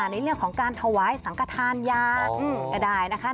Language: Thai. ในเรื่องของการถวายสังกฐานยาก็ได้นะคะ